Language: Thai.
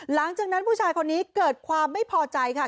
หลังจากนั้นผู้ชายคนนี้เกิดความไม่พอใจค่ะ